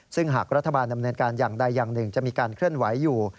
ซึ่งหากรัฐบาลดำเนินการอย่างใดอย่างหนึ่งจะมีการเคลื่อนไหวอยู่